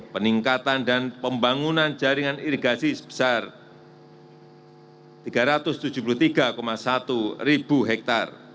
peningkatan dan pembangunan jaringan irigasi sebesar tiga ratus tujuh puluh tiga satu ribu hektare